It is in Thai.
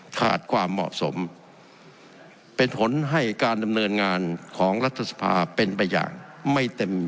ขาดความเหมาะสมเป็นผลให้การดำเนินงานของรัฐสภาเป็นไปอย่างไม่เต็ม